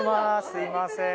すみません。